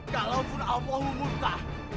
kalaupun allahmu murka